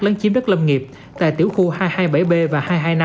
lấn chiếm đất lâm nghiệp tại tiểu khu hai trăm hai mươi bảy b và hai trăm hai mươi năm